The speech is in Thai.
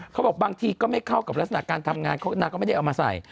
เขาบอกบางทีก็ไม่เข้ากับลักษณะการทำงานนางก็ไม่ได้เอามาใส่